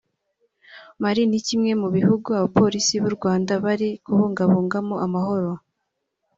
Mali ni kimwe mu bihugu Abapolisi b’u Rwanda bari kubungabungamo amahoro